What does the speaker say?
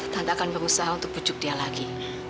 tante akan berusaha untuk pucuk dia lagi